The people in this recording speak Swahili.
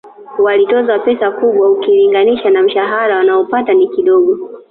Walitozwa pesa kubwa ukilinganisha na mshahara wanaopata ni kidogo